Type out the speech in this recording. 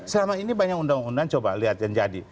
selama ini banyak undang undang coba lihat yang jadi